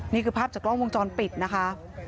นี่คือภาพจากกล้องวงจรปิดนะคะ